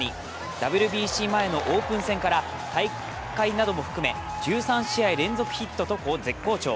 ＷＢＣ前のオープン戦から大会なども含め１３試合連続ヒットと絶好調。